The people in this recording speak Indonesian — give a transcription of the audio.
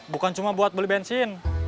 bukan cuma buat beli bensin